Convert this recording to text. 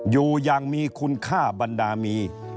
อยู่อย่างมีคุณค่าบรรดามี